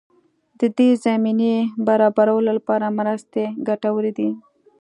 د دې زمینې برابرولو لپاره مرستې ګټورې دي.